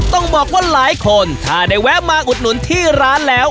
ต้องบอกว่าหลายคนถ้าได้แวะมาอุดหนุนที่ร้านแล้ว